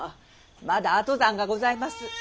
まだ後産がございます！